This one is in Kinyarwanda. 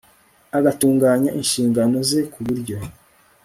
agatunganya inshingano ze ku buryo